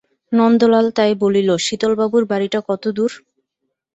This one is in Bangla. নন্দলাল তাই বলিল, শীতলবাবুর বাড়িটা কতদূর?